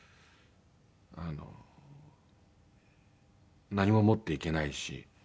あの何も持っていけないし。